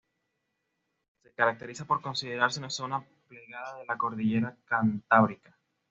Se caracteriza por considerarse una zona plegada de la cordillera Cantábrica.